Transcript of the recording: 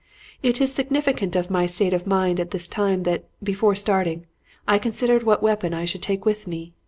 "It is significant of my state of mind at this time that, before starting, I considered what weapon I should take with me.